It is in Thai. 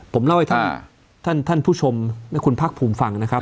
ผมเล่าให้ท่านผู้ชมคุณพักภูมิฟังนะครับ